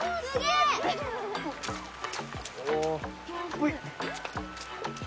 ほい。